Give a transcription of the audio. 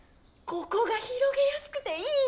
ここが広げやすくていいの！